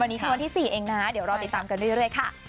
วันนี้คือวันที่๔เองนะเดี๋ยวรอติดตามกันเรื่อยค่ะ